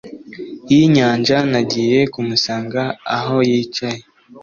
y'inyanja. nagiye kumusanga aho yicaye